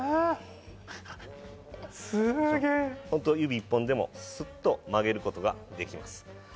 指一本でも、すっと曲げることができます。